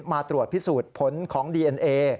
มาตรวจพิสูจน์ผลของดีเอ็นเอ